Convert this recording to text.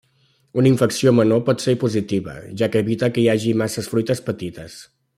Una infecció menor pot ser positiva, ja que evita que hi hagi massa fruites petites.